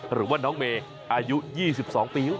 หรือว่าน้องเมย์อายุ๒๒ปี